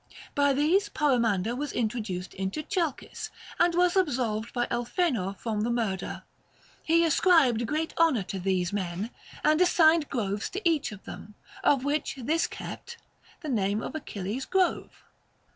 By these Poemander was introduced into Chalcis, and was absolved by Elephenor from the murder ; he ascribed great honor to these men, and as signed groves to each of them, of which this kept the name of Achilles's Grove.